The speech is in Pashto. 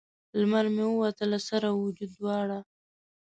لمر مې ووتی له سر او وجود دواړه